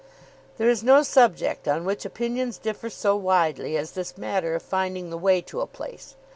There is no subject on which opinions differ so widely as this matter of finding the way to a place.